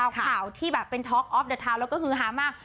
เอาข่าวที่แบบเป็นท็อกออฟเดอร์ทาวน์แล้วก็ฮือฮามาก